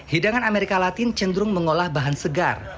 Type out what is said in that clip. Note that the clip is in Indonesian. hidangan amerika latin cenderung mengolah bahan segar